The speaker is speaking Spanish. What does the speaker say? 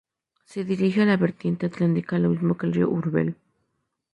Se dirige a la vertiente atlántica lo mismo que el río Úrbel.